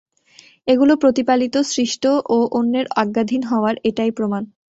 এগুলো প্রতিপালিত, সৃষ্ট ও অন্যের আজ্ঞাধীন হওয়ার এটাই প্রমাণ।